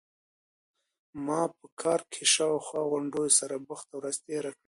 ما په کار کې د شا او خوا غونډو سره بوخته ورځ تیره کړه.